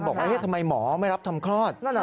บอกว่าทำไมหมอไม่รับทำคลอด